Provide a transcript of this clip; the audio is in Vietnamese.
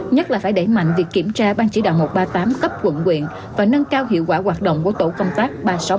nhất là phải đẩy mạnh việc kiểm tra ban chỉ đạo một trăm ba mươi tám cấp quận quyện và nâng cao hiệu quả hoạt động của tổ công tác ba trăm sáu mươi tám